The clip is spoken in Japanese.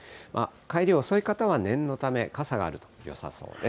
帰り遅い方は念のため、傘があるとよさそうです。